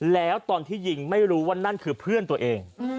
แล้วตอนที่ยิงไม่รู้ว่านั่นคือเพื่อนตัวเอง